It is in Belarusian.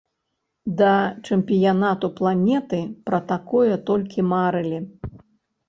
Да чэмпіянату планеты пра такое толькі марылі.